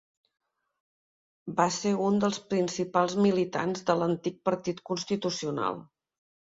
Va ser un dels principals militants de l'antic Partit Constitucional.